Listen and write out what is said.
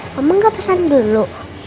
mama gak pesan dulu